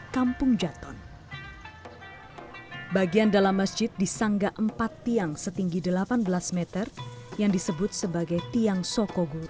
kampung jawa tondano